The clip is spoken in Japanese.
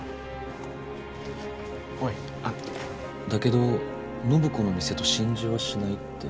だけど暢子の店と心中はしないって。